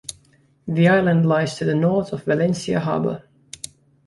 The Island lies to the north of Valentia Harbour.